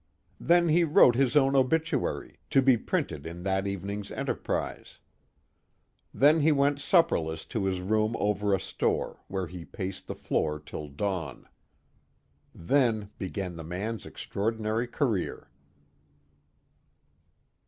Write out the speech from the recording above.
Then he wrote his own obituary, to be printed in that evening's Enterprise. Then he went supperless to his room over a store, where he paced the floor till dawn. Then began the man's extraordinary career.